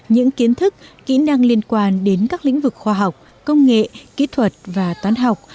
những kiến thức kỹ năng liên quan đến các lĩnh vực khoa học công nghệ kỹ thuật và toán học